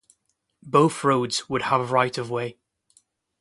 Both roads would have right-of-way.